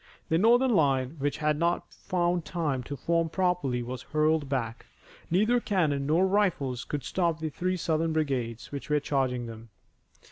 The Northern line which had not found time to form properly, was hurled back. Neither cannon nor rifles could stop the three Southern brigades which were charging them.